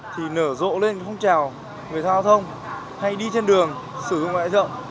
thì nở rộ lên cái phong trào người thao thông hay đi trên đường sử dụng loại dựng